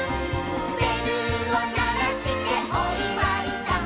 「べるをならしておいわいだ」